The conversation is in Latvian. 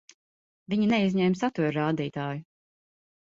Viņi neizņēma satura rādītāju.